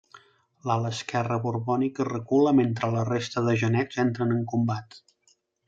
L'ala esquerra borbònica recula mentre la resta de genets entren en combat.